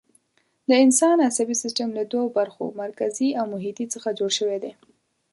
د انسان عصبي سیستم له دوو برخو، مرکزي او محیطي څخه جوړ شوی دی.